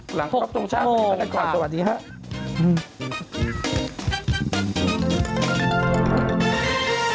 หลังครอบโชคช่าบริษัทความสวัสดีครับสวัสดีครับ๖๖๔